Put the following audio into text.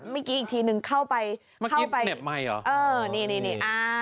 เมื่อกี้อีกทีหนึ่งเข้าไปเมื่อกี้เหน็บใหม่เหรอเออนี่นี่นี่